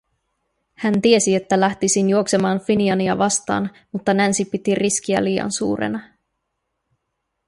Hän tiesi, että lähtisin juoksemaan Finiania vastaan, mutta Nancy piti riskiä liian suurena.